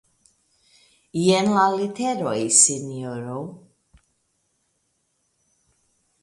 Jen la leteroj, sinjoro